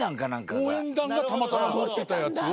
応援団がたまたま持ってたやつを。